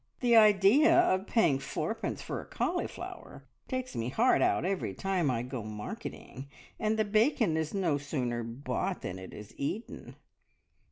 The idea of paying fourpence for a cauliflower takes me heart out of me every time I go marketing, and the bacon is no sooner bought, than it is eaten.